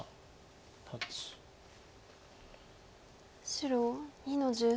白２の十三。